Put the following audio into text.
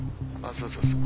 そうそうそう。